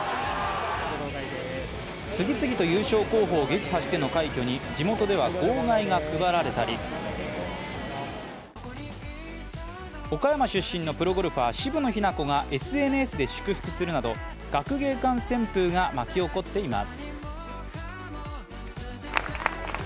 次々と優勝候補を撃破しての快挙に地元では号外が配られたり岡山出身のプロゴルファー、渋野日向子がＳＮＳで祝福するなど学芸館旋風が巻き起こっています。